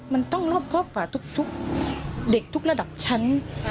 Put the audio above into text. มันต้องรอบครอบกว่าทุกเด็กทุกระดับชั้น